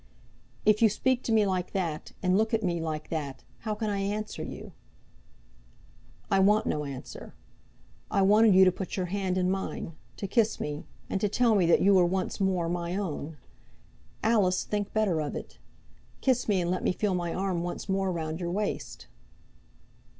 "If you speak to me like that, and look at me like that, how can I answer you?" "I want no answer. I wanted you to put your hand in mine, to kiss me, and to tell me that you are once more my own. Alice, think better of it; kiss me, and let me feel my arm once more round your waist."